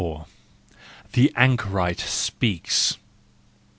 The Anchorite Speaks